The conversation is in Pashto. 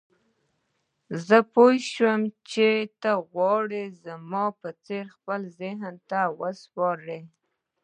زه پوه شوم چې ته غواړې زما څېره خپل ذهن ته وسپارې.